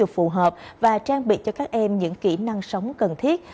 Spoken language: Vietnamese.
phù hợp và trang bị cho các em những kỹ năng sống cần thiết